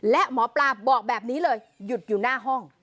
และหมอปลาบอกแบบนี้เลยหยุดอยู่หน้าห้อง